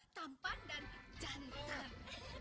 tampan dan jantan